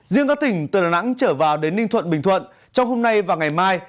riêng các tỉnh từ đà nẵng trở vào đến ninh thuận bình thuận trong hôm nay và ngày mai